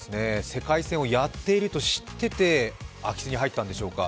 世界戦をやっていると知ってて空き巣に入ったんでしょうか。